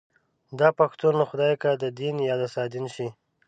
داپښتون خدای که ددين يا دسادين شي